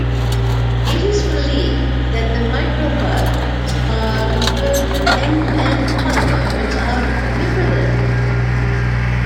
It is believed that the microfibrils are composed of end-to-end polymers of fibrillin.